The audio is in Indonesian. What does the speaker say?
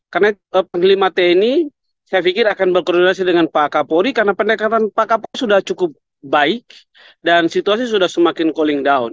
karena panglima tni saya pikir akan berkoordinasi dengan pak kapori karena pendekatan pak kapori sudah cukup baik dan situasi sudah semakin cooling down